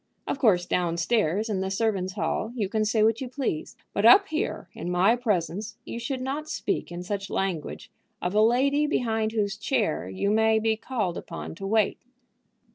Of course, down stairs, in the servants' hall, you can say what you please; but up here, in my presence, you should not speak in such language of a lady behind whose chair you may be called upon to wait."